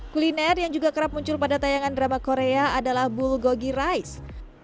kuliner yang juga kerap muncul pada tayangan drama korea adalah bulgogi rice